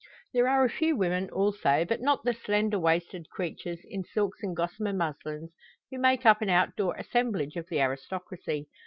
There are a few women, also, but not the slender waisted creatures, in silks and gossamer muslins, who make up an out door assemblage of the aristocracy.